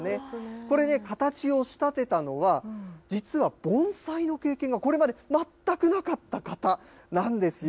これね、形を仕立てたのは、実は盆栽の経験がこれまで全くなかった方なんですよ。